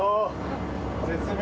絶妙。